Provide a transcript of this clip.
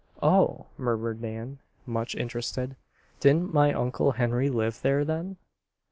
"Oh!" murmured Nan, much interested. "Didn't my Uncle Henry live there then?"